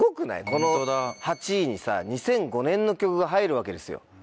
この８位にさ２００５年の曲が入るわけですよ。